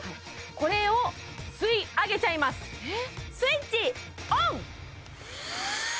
これを吸い上げちゃいますスイッチオン！